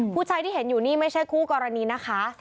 ผู้ชายที่เห็นอยู่นี่ไม่ใช่คู่กรณีนะคะ